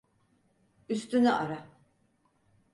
Üstünü ara.